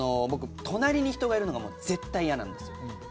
僕、隣に人がいるのが絶対嫌なんです。